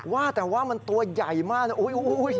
ว่าแต่ว่ามันตัวใหญ่มากนะ